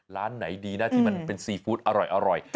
ร้านไหนดีนะที่มันเป็นซีฟู้ดอร่อย